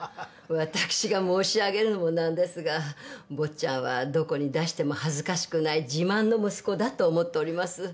わたくしが申し上げるのもなんですが坊ちゃんはどこに出しても恥ずかしくない自慢の息子だと思っております。